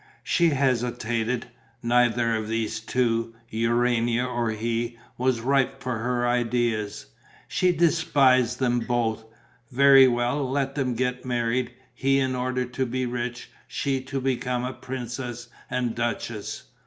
She hesitated. Neither of these two, Urania or he, was ripe for her ideas. She despised them both. Very well, let them get married: he in order to be rich; she to become a princess and duchess.